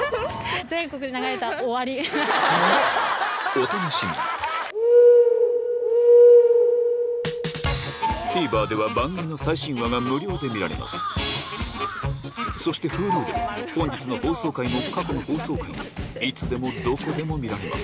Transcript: お楽しみにＴＶｅｒでは番組の最新話が無料で見られますそしてｈｕｌｕでも本日の放送回も過去の放送回もいつでもどこでも見られます